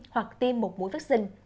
hoặc tiêm một mũi vaccine